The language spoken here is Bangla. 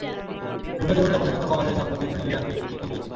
বুনো জীবনযাপনের জন্য ক্ষমা চেয়ে সম্প্রতি তিনি লিয়ামকে একটি চিঠি দিয়েছেন।